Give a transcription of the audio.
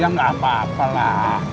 ya nggak apa apa lah